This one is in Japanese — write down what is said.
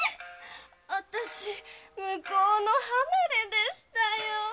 あたし向こうの離れでしたよ。